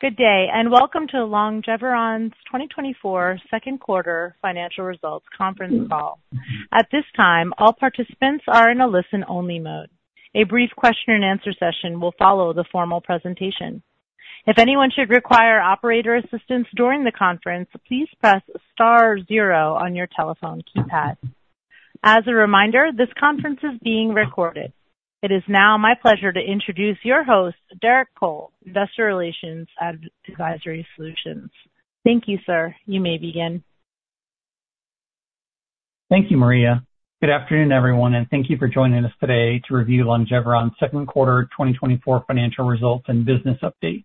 Good day, and welcome to Longeveron's 2024 Second Quarter Financial Results conference call. At this time, all participants are in a listen-only mode. A brief question and answer session will follow the formal presentation. If anyone should require operator assistance during the conference, please press star zero on your telephone keypad. As a reminder, this conference is being recorded. It is now my pleasure to introduce your host, Derek Cole, Investor Relations at Investor Relations Advisory Solutions. Thank you, sir. You may begin. Thank you, Maria. Good afternoon, everyone, and thank you for joining us today to review Longeveron's second quarter 2024 financial results and business update.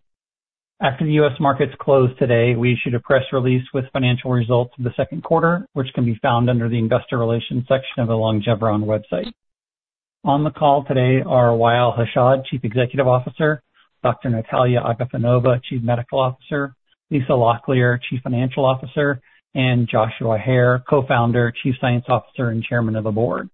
After the U.S. markets closed today, we issued a press release with financial results of the second quarter, which can be found under the Investor Relations section of the Longeveron website. On the call today are Wa'el Hashad, Chief Executive Officer, Dr. Nataliya Agafonova, Chief Medical Officer, Lisa Locklear, Chief Financial Officer, and Joshua Hare, Co-Founder, Chief Science Officer, and Chairman of the Board.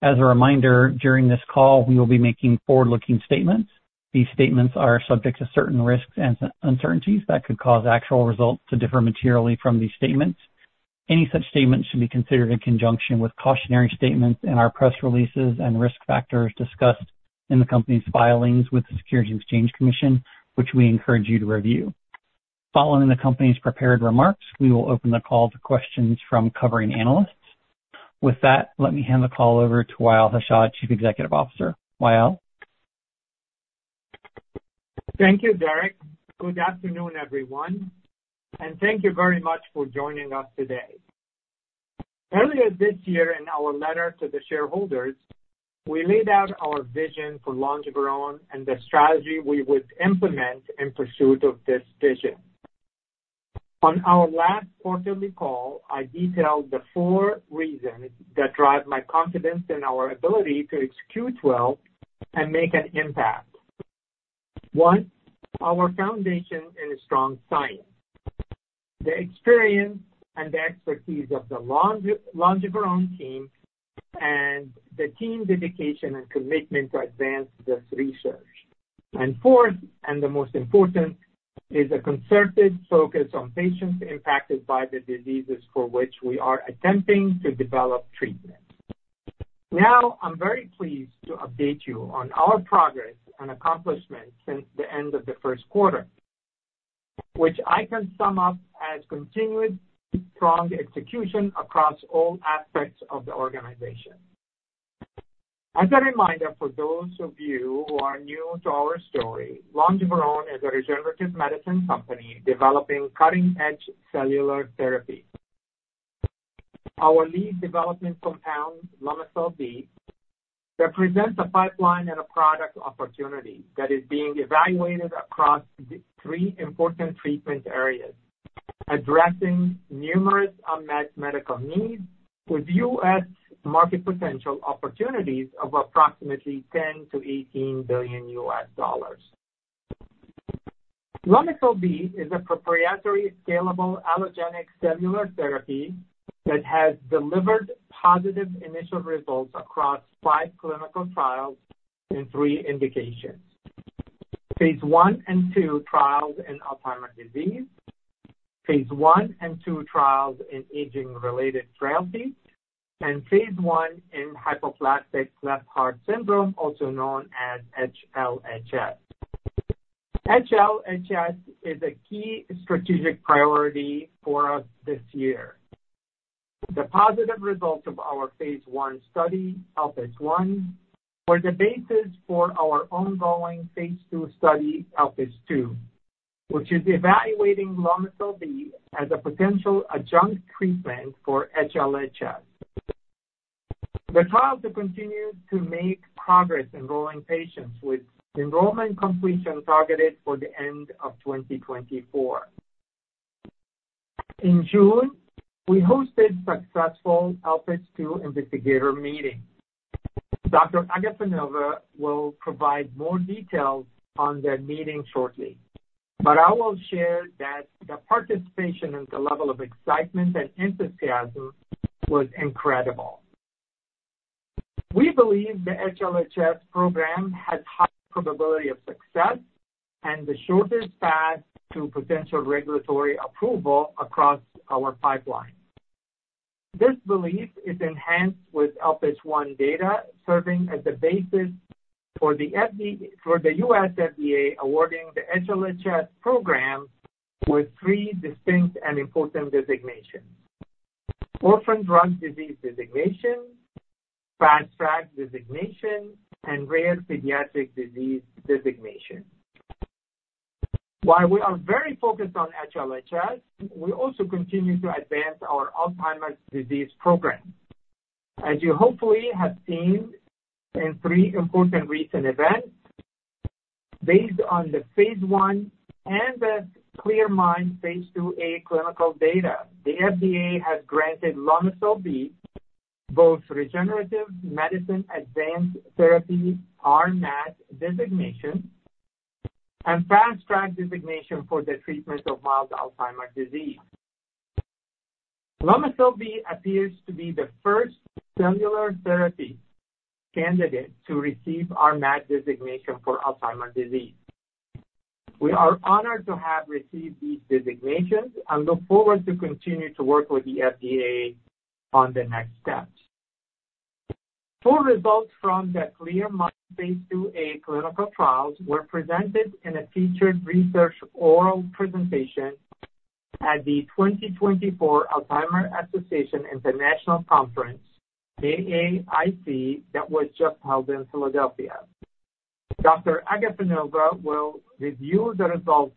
As a reminder, during this call, we will be making forward-looking statements. These statements are subject to certain risks and uncertainties that could cause actual results to differ materially from these statements. Any such statements should be considered in conjunction with cautionary statements in our press releases and risk factors discussed in the company's filings with the Securities and Exchange Commission, which we encourage you to review. Following the company's prepared remarks, we will open the call to questions from covering analysts. With that, let me hand the call over to Wa'el Hashad, Chief Executive Officer. Wa'el? Thank you, Derek. Good afternoon, everyone, and thank you very much for joining us today. Earlier this year, in our letter to the shareholders, we laid out our vision for Longeveron and the strategy we would implement in pursuit of this vision. On our last quarterly call, I detailed the four reasons that drive my confidence in our ability to execute well and make an impact. One, our foundation in strong science, the experience and the expertise of the Longeveron team, and the team's dedication and commitment to advance this research. And fourth, and the most important, is a concerted focus on patients impacted by the diseases for which we are attempting to develop treatments. Now, I'm very pleased to update you on our progress and accomplishments since the end of the first quarter, which I can sum up as continued strong execution across all aspects of the organization. As a reminder, for those of you who are new to our story, Longeveron is a regenerative medicine company developing cutting-edge cellular therapy. Our lead development compound, Lomecel-B, represents a pipeline and a product opportunity that is being evaluated across the three important treatment areas, addressing numerous unmet medical needs with U.S. market potential opportunities of approximately $10 billion-$18 billion. Lomecel-B is a proprietary scalable allogeneic cellular therapy that has delivered positive initial results across 5 clinical trials in 3 indications. Phase I and II trials in Alzheimer's disease, phase I and II trials in aging-related frailty, and phase I in hypoplastic left heart syndrome, also known as HLHS. HLHS is a key strategic priority for us this year. The positive results of our phase I study, ELPIS I, were the basis for our ongoing phase II study, ELPIS II, which is evaluating Lomecel-B as a potential adjunct treatment for HLHS. The trial continues to make progress enrolling patients, with enrollment completion targeted for the end of 2024. In June, we hosted a successful ELPIS II investigator meeting. Dr. Agafonova will provide more details on that meeting shortly, but I will share that the participation and the level of excitement and enthusiasm was incredible. We believe the HLHS program has high probability of success and the shortest path to potential regulatory approval across our pipeline. This belief is enhanced with ELPIS I data, serving as the basis for the U.S. FDA awarding the HLHS program with three distinct and important designations: Orphan Drug Designation, Fast Track Designation, and Rare Pediatric Disease Designation. While we are very focused on HLHS, we also continue to advance our Alzheimer's disease program. As you hopefully have seen in three important recent events, based on the Phase I and the CLEAR MIND Phase II-A clinical data, the FDA has granted Lomecel-B both Regenerative Medicine Advanced Therapy, RMAT designation, and Fast Track designation for the treatment of mild Alzheimer's disease. Lomecel-B appears to be the first cellular therapy candidate to receive RMAT designation for Alzheimer's disease. We are honored to have received these designations and look forward to continue to work with the FDA on the next steps. Full results from the CLEAR MIND Phase II-A clinical trials were presented in a featured research oral presentation at the 2024 Alzheimer's Association International Conference, AAIC, that was just held in Philadelphia. Dr. Agafonova will review the results,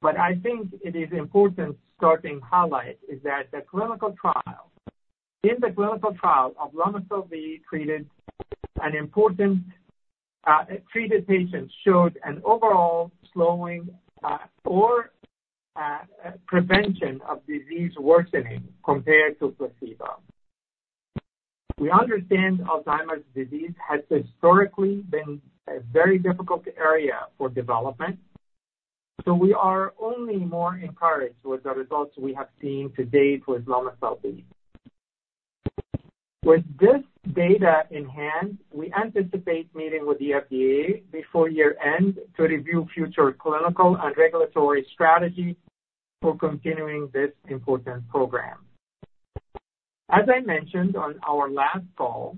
but I think it is important starting highlight is that in the clinical trial of Lomecel-B treated patients showed an overall slowing or prevention of disease worsening compared to placebo. We understand Alzheimer's disease has historically been a very difficult area for development, so we are only more encouraged with the results we have seen to date with Lomecel-B. With this data in hand, we anticipate meeting with the FDA before year-end to review future clinical and regulatory strategies for continuing this important program. As I mentioned on our last call,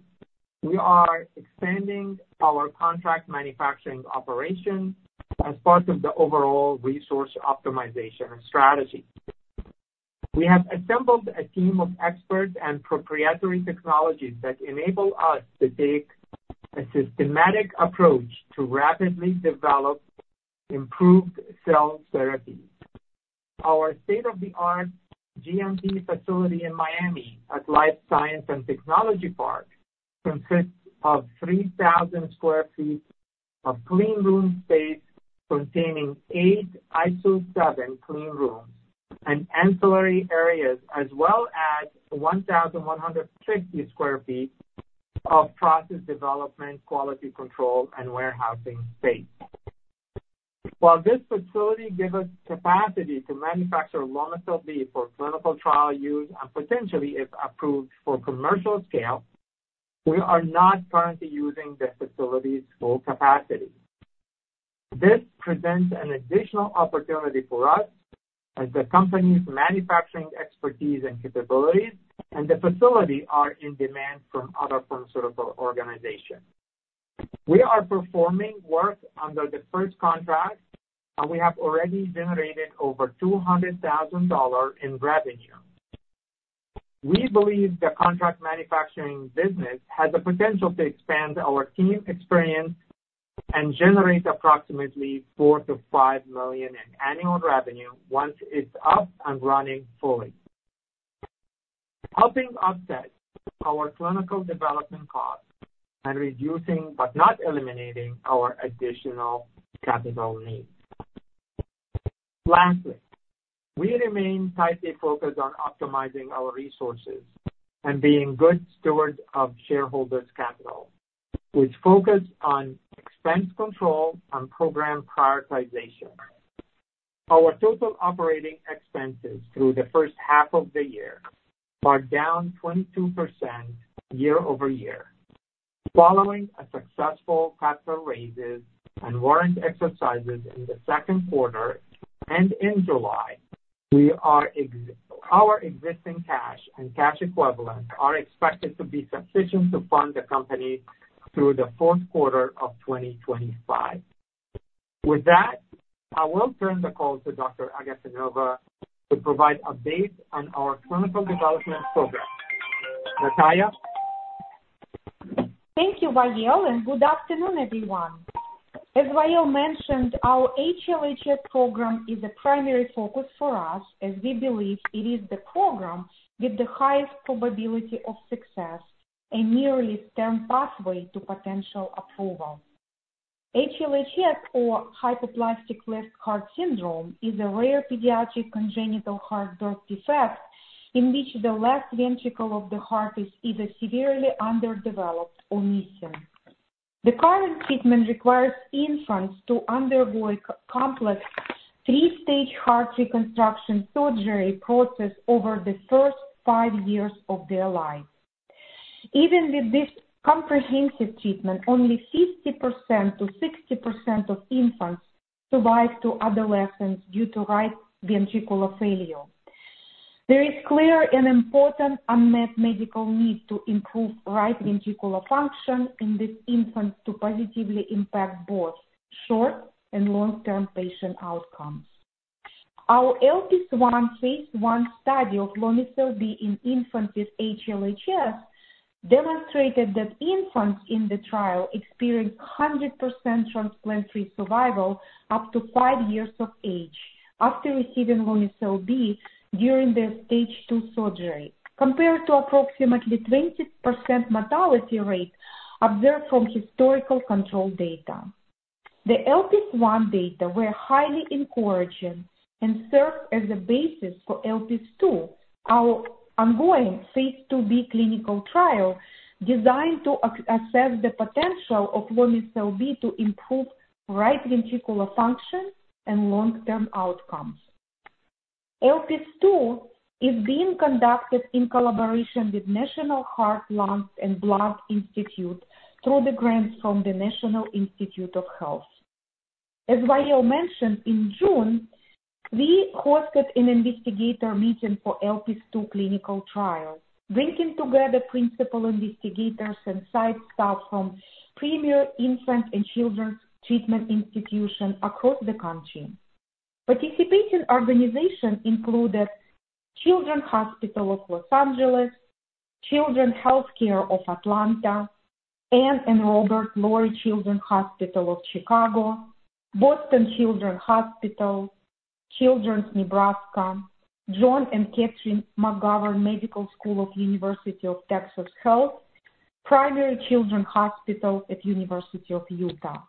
we are expanding our contract manufacturing operations as part of the overall resource optimization strategy. We have assembled a team of experts and proprietary technologies that enable us to take a systematic approach to rapidly develop improved cell therapies. Our state-of-the-art GMP facility in Miami at Life Science and Technology Park consists of 3,000 sq ft of clean room space, containing 8 ISO 7 clean rooms and ancillary areas, as well as 1,160 sq ft of process development, quality control, and warehousing space. While this facility gives us capacity to manufacture Lomecel-B for clinical trial use and potentially, if approved, for commercial scale, we are not currently using the facility's full capacity. This presents an additional opportunity for us as the company's manufacturing expertise and capabilities, and the facility are in demand from other pharmaceutical organizations. We are performing work under the first contract, and we have already generated over $200,000 in revenue. We believe the contract manufacturing business has the potential to expand our team experience and generate approximately $4 million-$5 million in annual revenue once it's up and running fully, helping offset our clinical development costs and reducing, but not eliminating, our additional capital needs. Lastly, we remain tightly focused on optimizing our resources and being good stewards of shareholders' capital, with focus on expense control and program prioritization. Our total operating expenses through the first half of the year are down 22% year-over-year. Following a successful capital raises and warrant exercises in the second quarter and in July, we are, our existing cash and cash equivalents are expected to be sufficient to fund the company through the fourth quarter of 2025. With that, I will turn the call to Dr. Agafonova to provide updates on our clinical development program. Nataliya? Thank you, Wa'el, and good afternoon, everyone. As Wa'el mentioned, our HLHS program is a primary focus for us as we believe it is the program with the highest probability of success and nearest term pathway to potential approval. HLHS, or hypoplastic left heart syndrome, is a rare pediatric congenital heart defect, in which the left ventricle of the heart is either severely underdeveloped or missing. The current treatment requires infants to undergo a complex three-stage heart reconstruction surgery process over the first five years of their life. Even with this comprehensive treatment, only 50%-60% of infants survive to adolescence due to right ventricular failure. There is clear and important unmet medical need to improve right ventricular function in these infants to positively impact both short- and long-term patient outcomes. Our ELPIS I phase I study of Lomecel-B in infants with HLHS demonstrated that infants in the trial experienced 100% transplant-free survival up to 5 years of age after receiving Lomecel-B during their stage 2 surgery, compared to approximately 20% mortality rate observed from historical control data. The ELPIS I data were highly encouraging and served as a basis for ELPIS II, our ongoing phase II-B clinical trial designed to assess the potential of Lomecel-B to improve right ventricular function and long-term outcomes. ELPIS II is being conducted in collaboration with National Heart, Lung, and Blood Institute through the grants from the National Institutes of Health. As Wa'el mentioned, in June, we hosted an investigator meeting for ELPIS II clinical trial, bringing together principal investigators and site staff from premier infant and children's treatment institution across the country. Participating organizations included Children's Hospital Los Angeles, Children's Healthcare of Atlanta, Ann & Robert H. Lurie Children's Hospital of Chicago, Boston Children's Hospital, Children's Nebraska, John P. and Kathrine G. McGovern Medical School of University of Texas Health, Primary Children's Hospital at University of Utah.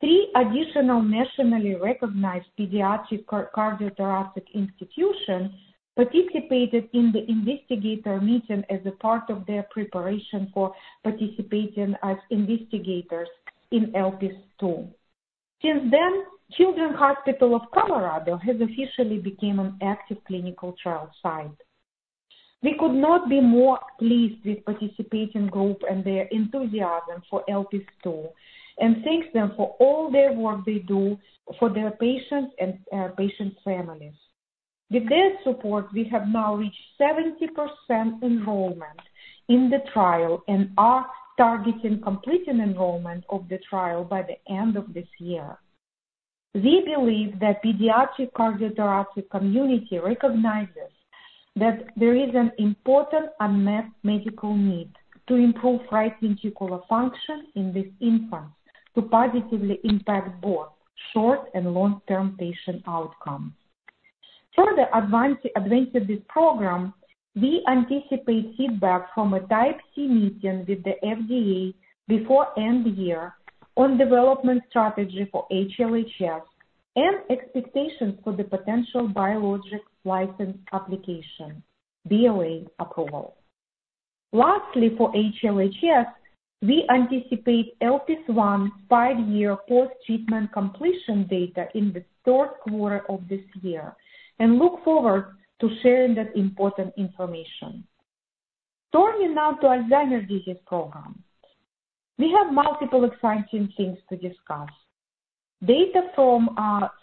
Three additional nationally recognized pediatric cardiothoracic institutions participated in the investigator meeting as a part of their preparation for participating as investigators in ELPIS II. Since then, Children's Hospital of Colorado has officially became an active clinical trial site. We could not be more pleased with participating group and their enthusiasm for ELPIS II, and thank them for all their work they do for their patients and patient families. With their support, we have now reached 70% enrollment in the trial and are targeting completing enrollment of the trial by the end of this year. We believe that the pediatric cardiothoracic community recognizes that there is an important unmet medical need to improve right ventricular function in these infants, to positively impact both short- and long-term patient outcomes. Further, advancing this program, we anticipate feedback from a Type C meeting with the FDA before year-end on development strategy for HLHS and expectations for the potential Biologics License Application (BLA) approval. Lastly, for HLHS, we anticipate ELPIS I five-year post-treatment completion data in the third quarter of this year, and look forward to sharing that important information. Turning now to the Alzheimer's disease program. We have multiple exciting things to discuss. Data from,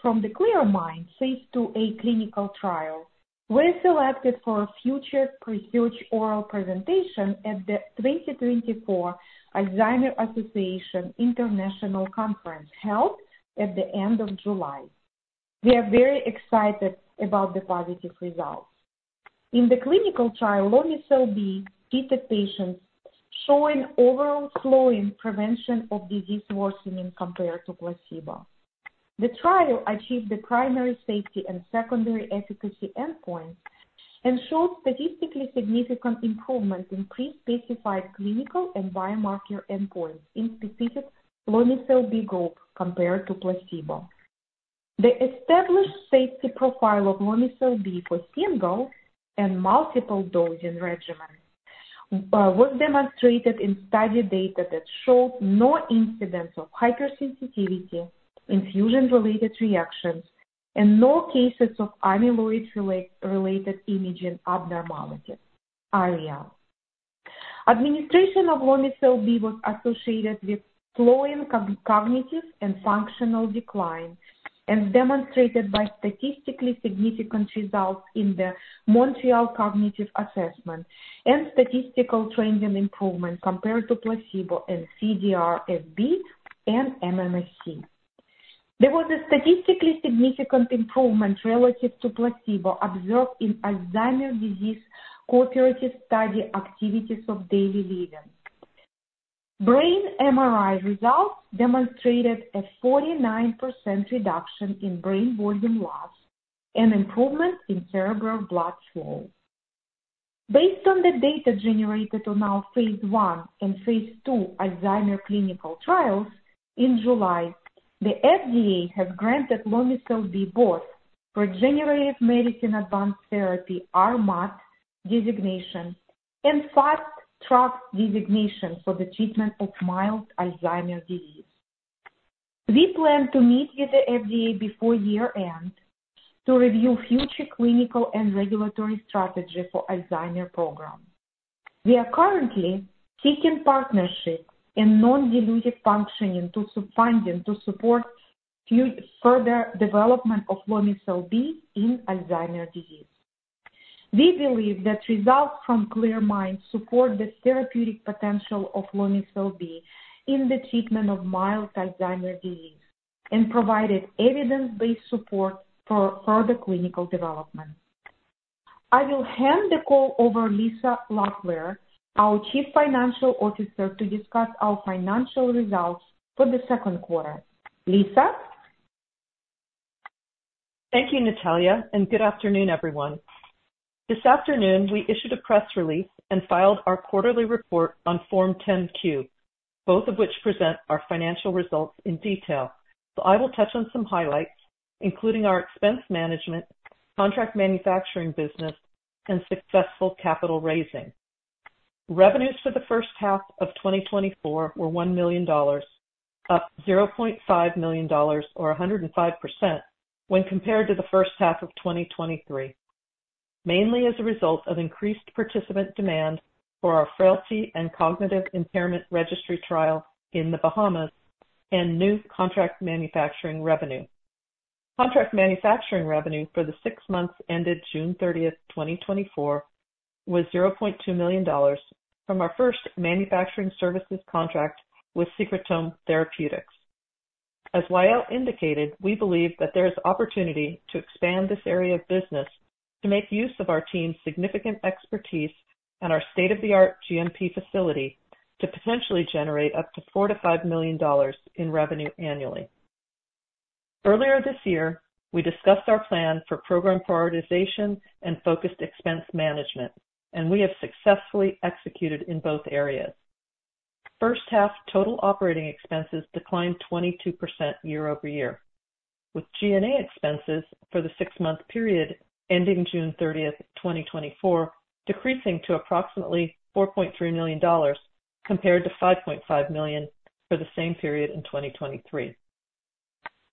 from the CLEAR MIND Phase II-A clinical trial were selected for a featured research oral presentation at the 2024 Alzheimer's Association International Conference, held at the end of July. We are very excited about the positive results. In the clinical trial, Lomecel-B treated patients showing overall slowing prevention of disease worsening compared to placebo. The trial achieved the primary safety and secondary efficacy endpoint, and showed statistically significant improvement in pre-specified clinical and biomarker endpoints in specific Lomecel-B group, compared to placebo. The established safety profile of Lomecel-B for single and multiple dosing regimen was demonstrated in study data that showed no incidents of hypersensitivity, infusion-related reactions, and no cases of amyloid-related imaging abnormalities, ARIA. Administration of Lomecel-B was associated with slowing cognitive and functional decline, and demonstrated by statistically significant results in the Montreal Cognitive Assessment, and statistical trending improvement compared to placebo in CDR-SB and MMSE. There was a statistically significant improvement relative to placebo observed in Alzheimer's Disease Cooperative Study-Activities of Daily Living. Brain MRI results demonstrated a 49% reduction in brain volume loss and improvement in cerebral blood flow. Based on the data generated on our phase I and phase II Alzheimer's clinical trials, in July, the FDA has granted Lomecel-B both Regenerative Medicine Advanced Therapy (RMAT) designation and Fast Track designation for the treatment of mild Alzheimer's disease. We plan to meet with the FDA before year-end to review future clinical and regulatory strategy for Alzheimer's program. We are currently seeking partnerships and non-dilutive funding to support further development of Lomecel-B in Alzheimer's disease. We believe that results from CLEAR MIND support the therapeutic potential of Lomecel-B in the treatment of mild Alzheimer's disease, and provided evidence-based support for further clinical development. I will hand the call over to Lisa Locklear, our Chief Financial Officer, to discuss our financial results for the second quarter. Lisa? Thank you, Nataliya, and good afternoon, everyone. This afternoon, we issued a press release and filed our quarterly report on Form 10-Q, both of which present our financial results in detail. I will touch on some highlights, including our expense management, contract manufacturing business, and successful capital raising.... Revenues for the first half of 2024 were $1 million, up $0.5 million or 105% when compared to the first half of 2023, mainly as a result of increased participant demand for our frailty and cognitive impairment registry trial in the Bahamas and new contract manufacturing revenue. Contract manufacturing revenue for the six months ended June 30, 2024, was $0.2 million from our first manufacturing services contract with Secretome Therapeutics. As Wa'el indicated, we believe that there is opportunity to expand this area of business to make use of our team's significant expertise and our state-of-the-art GMP facility to potentially generate up to $4 million-$5 million in revenue annually. Earlier this year, we discussed our plan for program prioritization and focused expense management, and we have successfully executed in both areas. First-half total operating expenses declined 22% year-over-year, with G&A expenses for the six-month period ending June 30, 2024, decreasing to approximately $4.3 million compared to $5.5 million for the same period in 2023.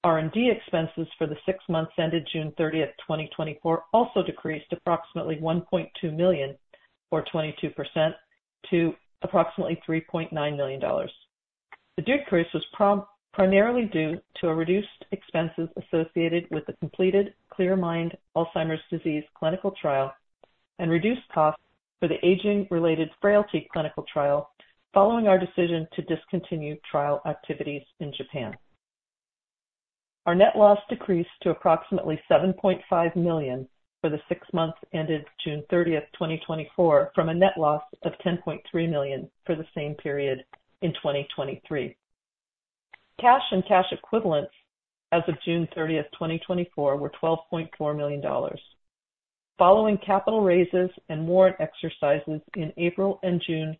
R&D expenses for the six months ended June 30, 2024, also decreased approximately $1.2 million, or 22%, to approximately $3.9 million. The decrease was primarily due to a reduced expenses associated with the completed CLEAR MIND Alzheimer's disease clinical trial and reduced costs for the aging-related frailty clinical trial, following our decision to discontinue trial activities in Japan. Our net loss decreased to approximately $7.5 million for the six months ended June 30, 2024, from a net loss of $10.3 million for the same period in 2023. Cash and cash equivalents as of June 30, 2024, were $12.4 million. Following capital raises and warrant exercises in April and June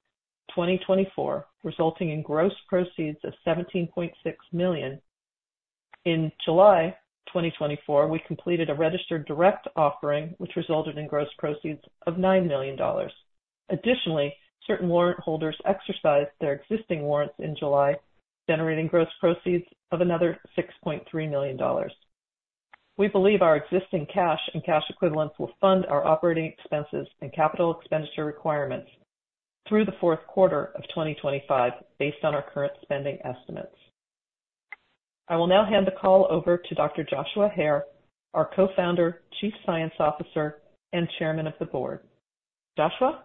2024, resulting in gross proceeds of $17.6 million, in July 2024, we completed a registered direct offering, which resulted in gross proceeds of $9 million. Additionally, certain warrant holders exercised their existing warrants in July, generating gross proceeds of another $6.3 million. We believe our existing cash and cash equivalents will fund our operating expenses and capital expenditure requirements through the fourth quarter of 2025, based on our current spending estimates. I will now hand the call over to Dr. Joshua Hare, our Co-Founder, Chief Science Officer, and Chairman of the Board. Joshua?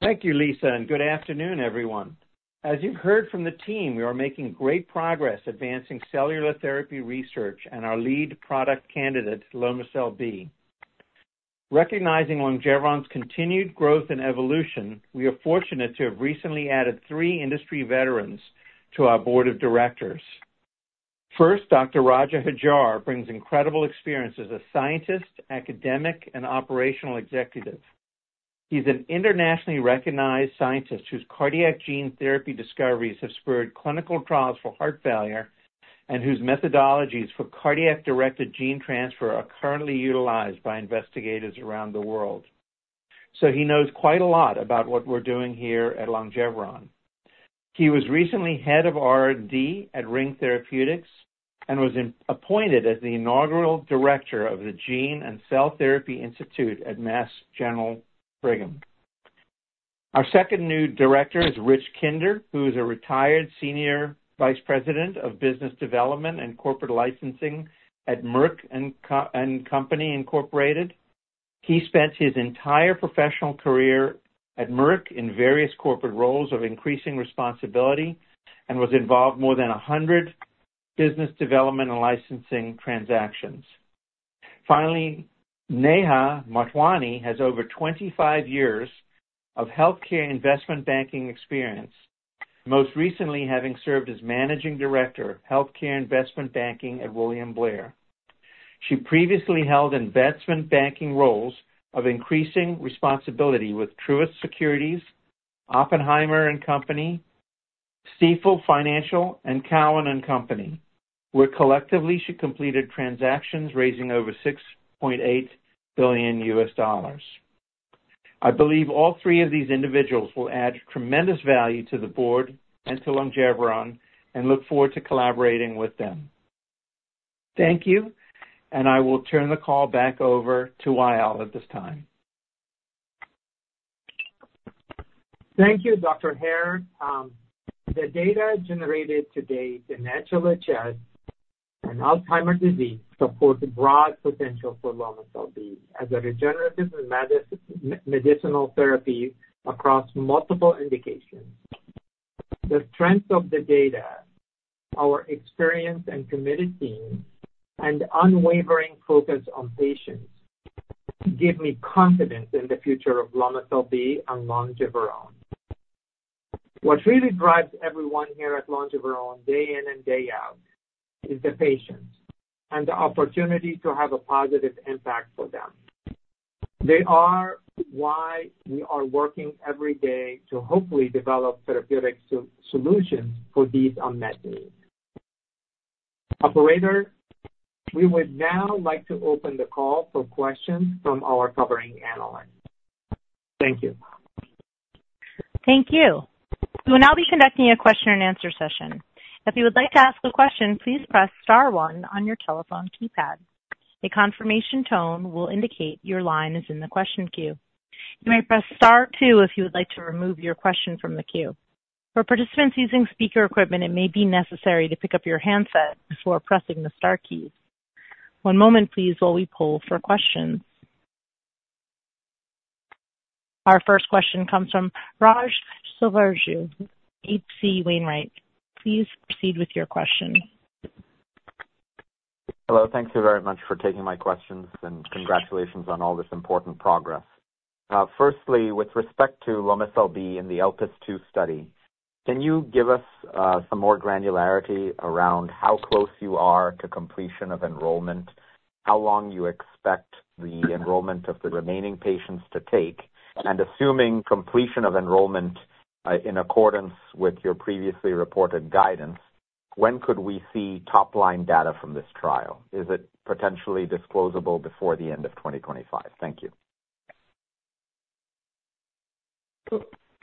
Thank you, Lisa, and good afternoon, everyone. As you've heard from the team, we are making great progress advancing cellular therapy research and our lead product candidate, Lomecel-B. Recognizing Longeveron's continued growth and evolution, we are fortunate to have recently added three industry veterans to our Board of Directors. First, Dr. Roger Hajjar brings incredible experience as a scientist, academic, and operational executive. He's an internationally recognized scientist whose cardiac gene therapy discoveries have spurred clinical trials for heart failure and whose methodologies for cardiac-directed gene transfer are currently utilized by investigators around the world. So he knows quite a lot about what we're doing here at Longeveron. He was recently head of R&D at Ring Therapeutics and was appointed as the inaugural director of the Gene and Cell Therapy Institute at Mass General Brigham. Our second new director is Richard Kender, who is a retired senior vice president of business development and corporate licensing at Merck & Co., Inc. He spent his entire professional career at Merck in various corporate roles of increasing responsibility and was involved more than 100 business development and licensing transactions. Finally, Neha Motwani has over 25 years of healthcare investment banking experience, most recently having served as managing director, healthcare investment banking at William Blair. She previously held investment banking roles of increasing responsibility with Truist Securities, Oppenheimer & Co., Stifel Financial, and Cowen and Company, where collectively she completed transactions raising over $6.8 billion. I believe all three of these individuals will add tremendous value to the board and to Longeveron, and look forward to collaborating with them. Thank you, and I will turn the call back over to Wa'el at this time. Thank you, Dr. Hare. The data generated to date in HLHS and Alzheimer's disease supports a broad potential for Lomecel-B as a regenerative medicinal therapy across multiple indications. The strength of the data, our experienced and committed team, and unwavering focus on patients give me confidence in the future of Lomecel-B and Longeveron. What really drives everyone here at Longeveron day in and day out is the patients and the opportunity to have a positive impact for them. They are why we are working every day to hopefully develop therapeutic solutions for these unmet needs... Operator, we would now like to open the call for questions from our covering analysts. Thank you. Thank you. We'll now be conducting a question and answer session. If you would like to ask a question, please press star one on your telephone keypad. A confirmation tone will indicate your line is in the question queue. You may press star two if you would like to remove your question from the queue. For participants using speaker equipment, it may be necessary to pick up your handset before pressing the star key. One moment please, while we poll for questions. Our first question comes from Raghuram Selvaraju, H.C. Wainwright. Please proceed with your question. Hello. Thank you very much for taking my questions, and congratulations on all this important progress. Firstly, with respect to Lomecel-B in the ELPIS II study, can you give us some more granularity around how close you are to completion of enrollment, how long you expect the enrollment of the remaining patients to take? And assuming completion of enrollment, in accordance with your previously reported guidance, when could we see top line data from this trial? Is it potentially disclosable before the end of 2025? Thank you.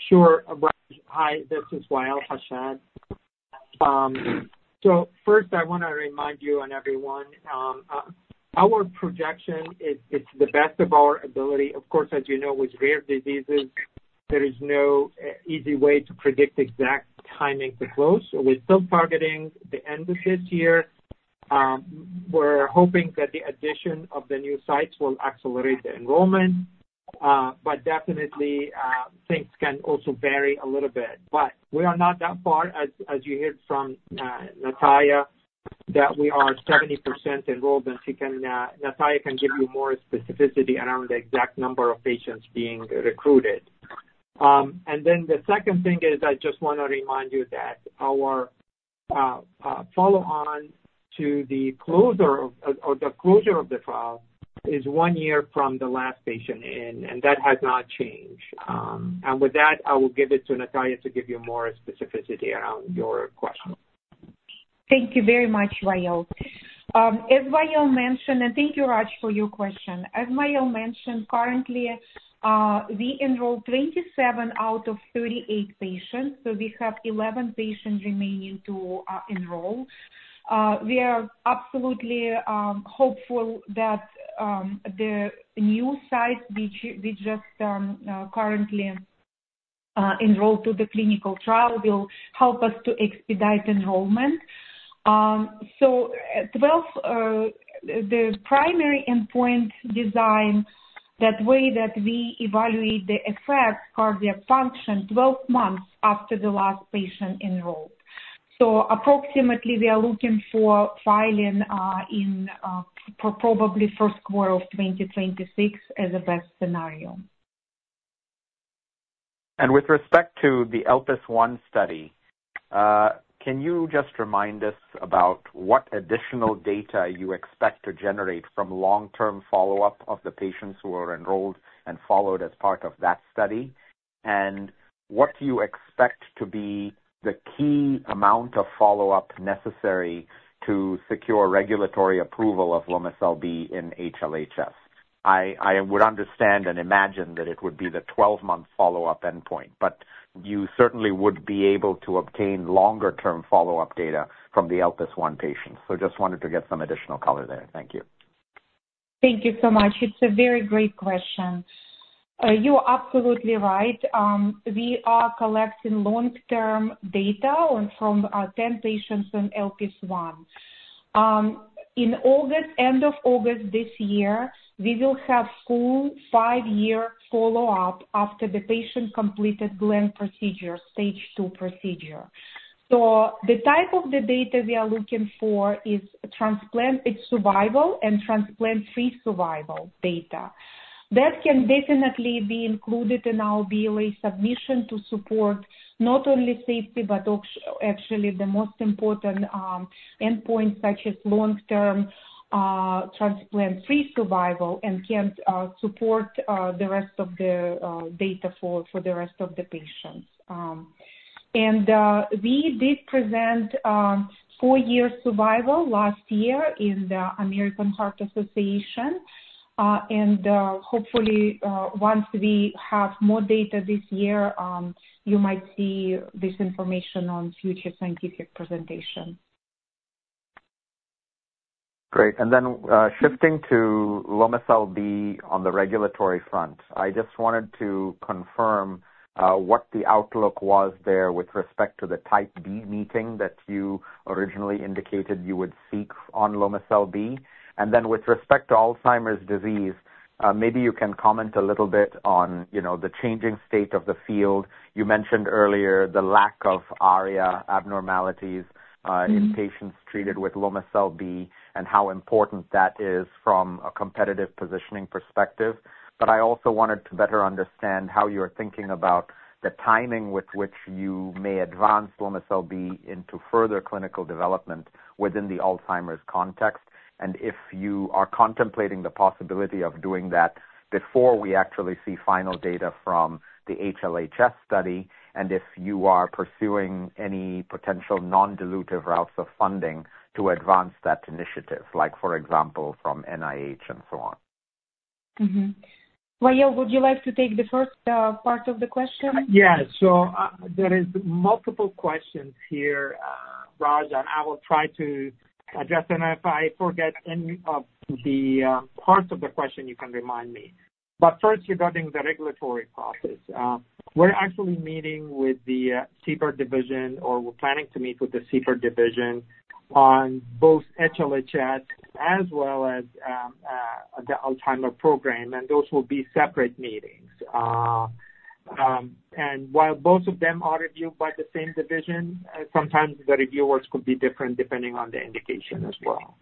Sure, Raj. Hi, this is Wa'el Hashad. So first, I wanna remind you and everyone, our projection is, it's the best of our ability. Of course, as you know, with rare diseases, there is no easy way to predict exact timing to close, so we're still targeting the end of this year. We're hoping that the addition of the new sites will accelerate the enrollment, but definitely, things can also vary a little bit. But we are not that far, as you heard from Nataliya, that we are 70% enrolled, and she can, Nataliya can give you more specificity around the exact number of patients being recruited. And then the second thing is, I just wanna remind you that our follow-on to the closure of the trial is one year from the last patient in, and that has not changed. And with that, I will give it to Nataliya to give you more specificity around your question. Thank you very much, Wa'el. As Wa'el mentioned, and thank you, Raj, for your question. As Wa'el mentioned, currently, we enrolled 27 out of 38 patients, so we have 11 patients remaining to enroll. We are absolutely hopeful that the new site, which we just currently enrolled to the clinical trial, will help us to expedite enrollment. So 12, the primary endpoint design, that way that we evaluate the effect cardiac function 12 months after the last patient enrolled. So approximately, we are looking for filing in probably first quarter of 2026 as the best scenario. With respect to the ELPIS I study, can you just remind us about what additional data you expect to generate from long-term follow-up of the patients who are enrolled and followed as part of that study? And what do you expect to be the key amount of follow-up necessary to secure regulatory approval of Lomecel-B in HLHS? I would understand and imagine that it would be the 12-month follow-up endpoint, but you certainly would be able to obtain longer term follow-up data from the ELPIS I patients. So just wanted to get some additional color there. Thank you. Thank you so much. It's a very great question. You are absolutely right. We are collecting long-term data from 10 patients on ELPIS I. In August, end of August this year, we will have full five-year follow-up after the patient completed Glenn procedure, stage two procedure. So the type of the data we are looking for is transplant, it's survival and transplant-free survival data. That can definitely be included in our BLA submission to support not only safety, but actually the most important endpoints, such as long-term transplant-free survival, and can support the rest of the data for the rest of the patients. We did present four-year survival last year in the American Heart Association. Hopefully, once we have more data this year, you might see this information on future scientific presentation. Great. Then, shifting to Lomecel-B on the regulatory front, I just wanted to confirm what the outlook was there with respect to the Type B meeting that you originally indicated you would seek on Lomecel-B. Then with respect to Alzheimer's disease, maybe you can comment a little bit on, you know, the changing state of the field. You mentioned earlier the lack of ARIA abnormalities in patients treated with Lomecel-B, and how important that is from a competitive positioning perspective. But I also wanted to better understand how you're thinking about the timing with which you may advance Lomecel-B into further clinical development within the Alzheimer's context, and if you are contemplating the possibility of doing that before we actually see final data from the HLHS study, and if you are pursuing any potential non-dilutive routes of funding to advance that initiative, like, for example, from NIH and so on?... Mm-hmm. Wa'el, would you like to take the first part of the question? Yeah. So, there is multiple questions here, Raja, and I will try to address them. If I forget any of the parts of the question, you can remind me. But first, regarding the regulatory process. We're actually meeting with the CBER division, or we're planning to meet with the CBER division on both HLHS as well as the Alzheimer program, and those will be separate meetings. And while both of them are reviewed by the same division, sometimes the reviewers could be different depending on the indication as well.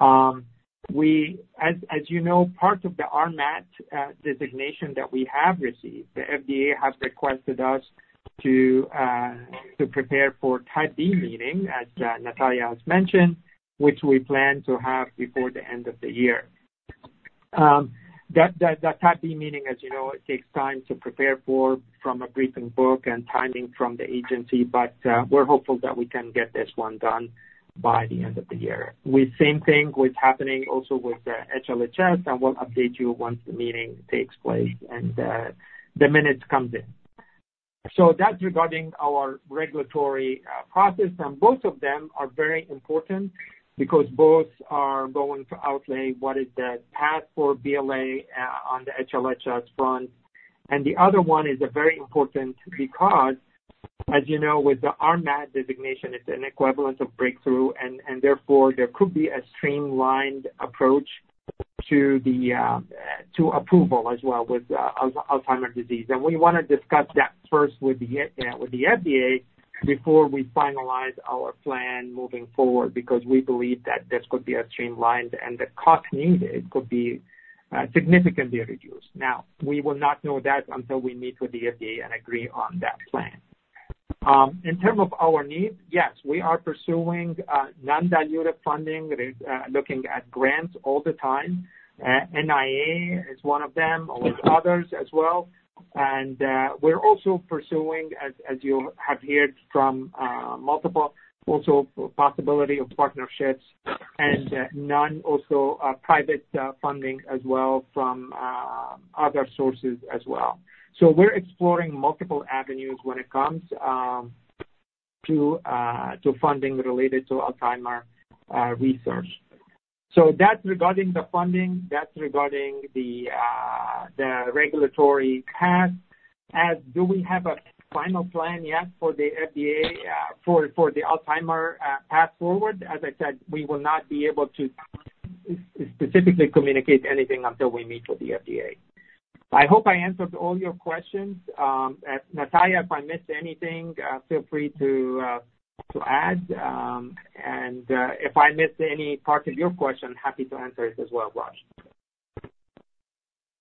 As you know, part of the RMAT designation that we have received, the FDA has requested us to prepare for Type B meeting, as Nataliya has mentioned, which we plan to have before the end of the year. That type B meeting, as you know, it takes time to prepare for, from a briefing book and timing from the agency, but we're hopeful that we can get this one done by the end of the year. With the same thing happening also with the HLHS, and we'll update you once the meeting takes place and the minutes comes in. So that's regarding our regulatory process, and both of them are very important because both are going to outlay what is the path for BLA on the HLHS front. And the other one is very important because, as you know, with the RMAT designation, it's an equivalent of breakthrough, and therefore, there could be a streamlined approach to the to approval as well with Alzheimer's disease. And we wanna discuss that first with the FDA before we finalize our plan moving forward, because we believe that this could be a streamlined and the cost needed could be significantly reduced. Now, we will not know that until we meet with the FDA and agree on that plan. In terms of our needs, yes, we are pursuing non-dilutive funding, looking at grants all the time. NIA is one of them, with others as well. And we're also pursuing, as, as you have heard from, multiple, also possibility of partnerships and, non- also, private funding as well from, other sources as well. So we're exploring multiple avenues when it comes to funding related to Alzheimer's research. So that's regarding the funding, that's regarding the regulatory path. As do we have a final plan yet for the FDA, for the Alzheimer path forward? As I said, we will not be able to specifically communicate anything until we meet with the FDA. I hope I answered all your questions. Nataliya, if I missed anything, feel free to add. And, if I missed any part of your question, happy to answer it as well, Raja.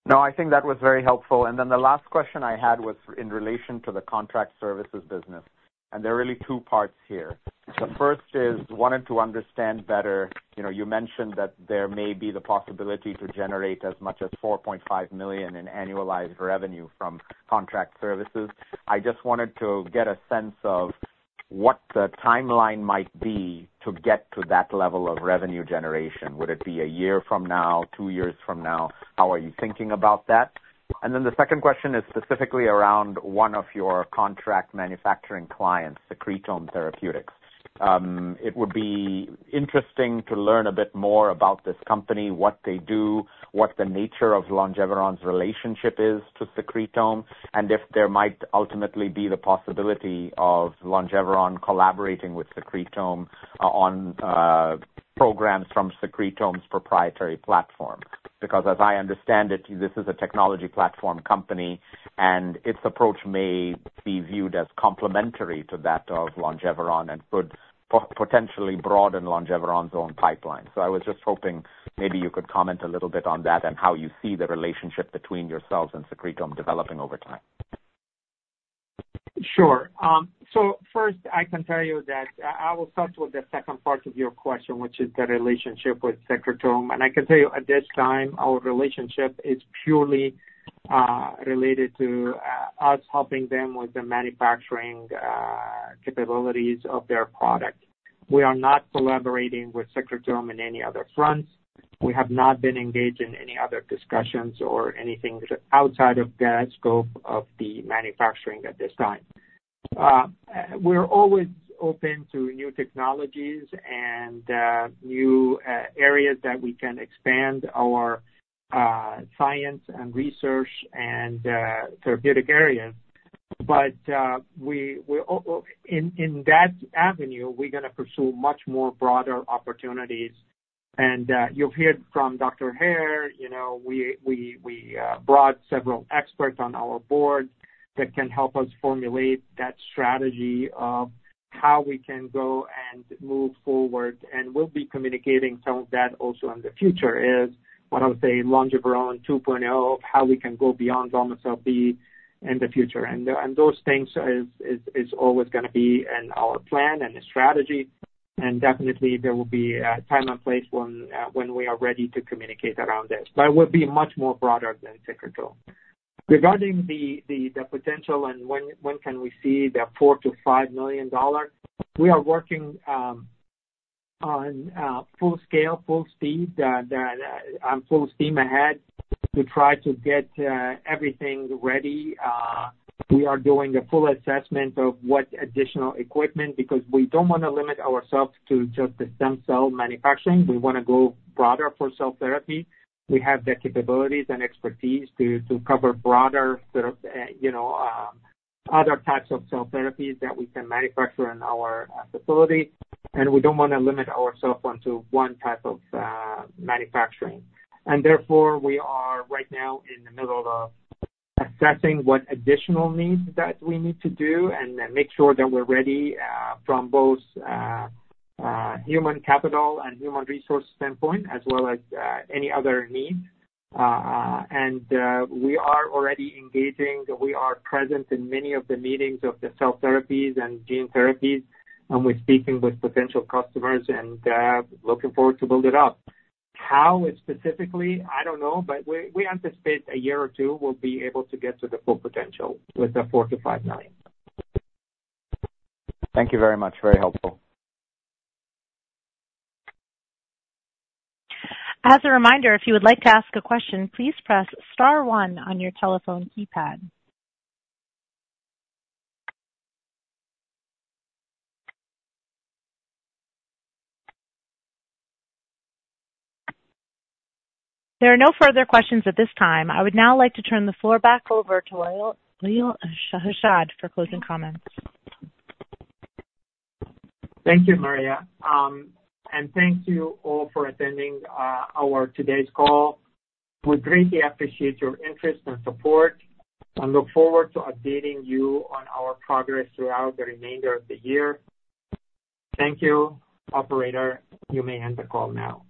No, I think that was very helpful. And then the last question I had was in relation to the contract services business, and there are really two parts here. The first is, wanted to understand better, you know, you mentioned that there may be the possibility to generate as much as $4.5 million in annualized revenue from contract services. I just wanted to get a sense of what the timeline might be to get to that level of revenue generation. Would it be a year from now, 2 years from now? How are you thinking about that? And then the second question is specifically around one of your contract manufacturing clients, Secretome Therapeutics. It would be interesting to learn a bit more about this company, what they do, what the nature of Longeveron's relationship is to Secretome, and if there might ultimately be the possibility of Longeveron collaborating with Secretome on programs from Secretome's proprietary platform. Because as I understand it, this is a technology platform company, and its approach may be viewed as complementary to that of Longeveron and could potentially broaden Longeveron's own pipeline. So I was just hoping maybe you could comment a little bit on that and how you see the relationship between yourselves and Secretome developing over time. Sure. So first, I can tell you that I will start with the second part of your question, which is the relationship with Secretome. And I can tell you at this time, our relationship is purely related to us helping them with the manufacturing capabilities of their product. We are not collaborating with Secretome in any other fronts. We have not been engaged in any other discussions or anything outside of the scope of the manufacturing at this time. We're always open to new technologies and new areas that we can expand our science and research and therapeutic areas. But in that avenue, we're gonna pursue much more broader opportunities. And you've heard from Dr. Hare, you know, we brought several experts on our board that can help us formulate that strategy of how we can go and move forward. And we'll be communicating some of that also in the future, is what I would say, Longeveron 2.0, of how we can go beyond Lomecel-B in the future. And those things is always gonna be in our plan and the strategy, and definitely there will be a time and place when we are ready to communicate around this. But it will be much more broader than Secretome. Regarding the potential and when can we see the $4-$5 million, we are working on full scale, full speed, that on full steam ahead to try to get everything ready. We are doing a full assessment of what additional equipment, because we don't want to limit ourselves to just the stem cell manufacturing. We wanna go broader for cell therapy. We have the capabilities and expertise to cover broader sort of other types of cell therapies that we can manufacture in our facility, and we don't wanna limit ourselves onto one type of manufacturing. Therefore, we are right now in the middle of assessing what additional needs that we need to do and make sure that we're ready from both human capital and human resource standpoint, as well as any other needs. We are already engaging. We are present in many of the meetings of the cell therapies and gene therapies, and we're speaking with potential customers and, looking forward to build it up. How specifically? I don't know, but we anticipate a year or two, we'll be able to get to the full potential with the $4 million-$5 million. Thank you very much. Very helpful. As a reminder, if you would like to ask a question, please press star one on your telephone keypad. There are no further questions at this time. I would now like to turn the floor back over to Wa'el Hashad for closing comments. Thank you, Maria. And thank you all for attending our today's call. We greatly appreciate your interest and support and look forward to updating you on our progress throughout the remainder of the year. Thank you. Operator, you may end the call now.